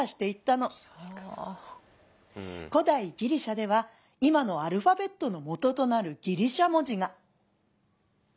古代ギリシャでは今のアルファベットのもととなるギリシア文字が。